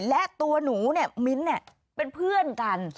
และตัวหนูเนี่ยมิ้นเป็นเพื่อนกัน